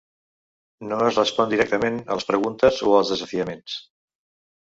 No es respon directament a les preguntes o als desafiaments.